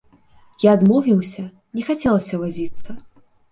Я адмовіўся, не хацелася вазіцца.